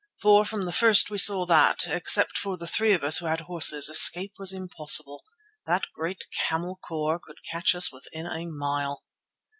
For from the first we saw that, except for the three of us who had horses, escape was impossible. That great camel corps could catch us within a mile.